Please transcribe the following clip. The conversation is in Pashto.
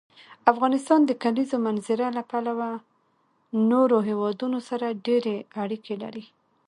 افغانستان د کلیزو منظره له پلوه له نورو هېوادونو سره ډېرې اړیکې لري.